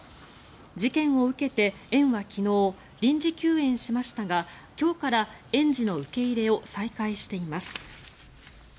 事件を受けて園は昨日臨時休園しましたが今日から園児の受け入れを再開しています。